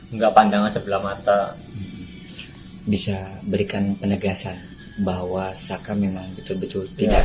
enggak pandangan sebelah mata bisa berikan penegasan bahwa saka memang betul betul tidak